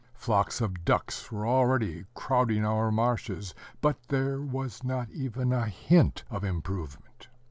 Flocks of ducks were already crowding our marshes, but there was not even a hint of improvement.